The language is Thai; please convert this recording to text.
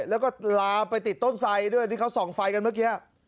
แล้วก็ลามไปติดต้นไสด้วยที่เขาส่องไฟกันเมื่อกี้